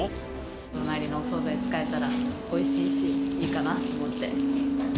隣のお総菜使えたら、おいしいし、いいかなと思って。